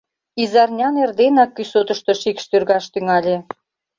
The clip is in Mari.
Изарнян эрденак кӱсотышто шикш тӱргаш тӱҥале.